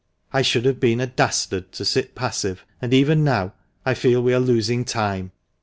I should have been a dastard to sit passive, and even now I feel we are losing time."